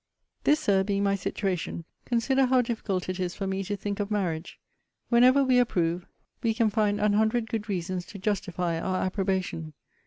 This, Sir, being my situation, consider how difficult it is for me to think of marriage. Whenever we approve, we can find an hundred good reasons to justify our approbation.